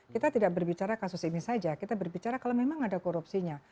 kita tidak berbicara kasus ini saja kita berbicara kalau memang ada korupsinya